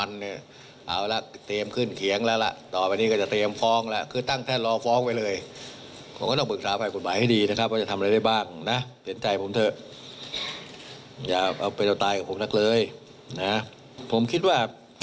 นายยกดูเหนื่อยนะ